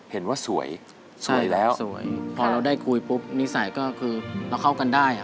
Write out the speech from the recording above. เห็นว่าสวยสวยแล้วสวยพอเราได้คุยปุ๊บนิสัยก็คือเราเข้ากันได้